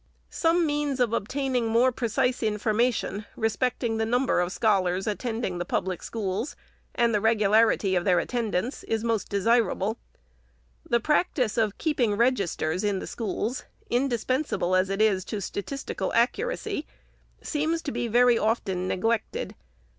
Some means of obtaining more precise information re specting the number of scholars attending the public schools, and the regularity of that attendance, is most desirable. The practice of keeping registers in the schools, indispensable as it is to statistical accuracy, seems to be very often neglected.